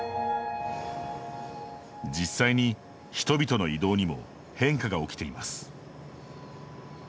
実際に人々の移動にも変化が起きています。